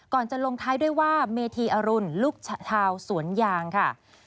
จะลงท้ายด้วยว่าเมธีอรุณลูกชาวสวนยางค่ะ